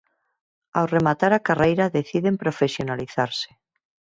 Ao rematar a carreira deciden profesionalizarse.